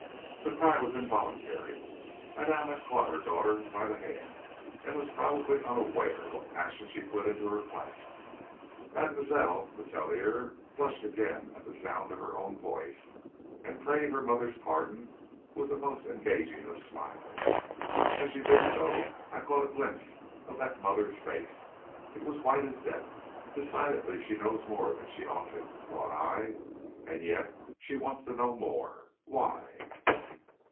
The cry was involuntary. Madame had caught her daughter by the hand and was probably unaware what passion she had put into her clasp. Mademoiselle Letellier blushed again at the sound of her own voice, and prayed her mother's pardon with the most engaging of smiles. As she did so, I caught a glimpse of that mother's face. It was white as death. "Decidedly, she knows more than she ought to," thought I. "And yet she wants to know more. Why?"